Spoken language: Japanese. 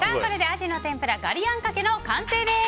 アジの天ぷらガリあんかけの完成です。